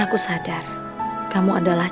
aku sadar kamu adalah